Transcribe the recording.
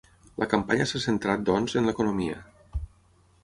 La campanya s’ha centrat, doncs, en l’economia.